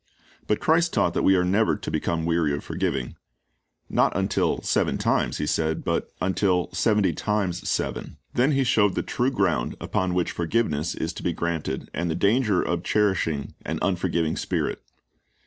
But Christ taught that we are never to become weary of forgiving. Not, "Until seven times," He said, "but, Until seventy times seven." Then He showed the true ground upon which forgiveness is to be granted, and the danger of cherishing an unforgiving spirit.